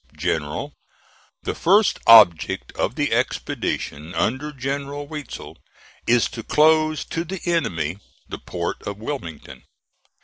"GENERAL: The first object of the expedition under General Weitzel is to close to the enemy the port of Wilmington.